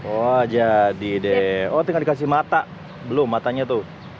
wah jadi deh oh tinggal dikasih mata belum matanya tuh